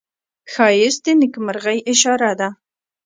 ښایست د نیکمرغۍ اشاره ده